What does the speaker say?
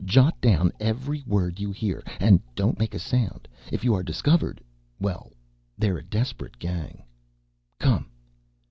Jot down every word you hear. And don't make a sound. If you are discovered well, they're a desperate gang. Come!"